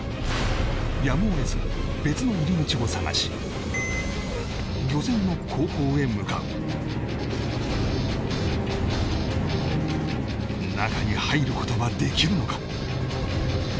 やむを得ず漁船の後方へ向かう中に入ることはできるのか？